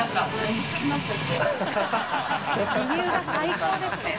水卜）理由が最高ですね。